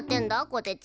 こてち。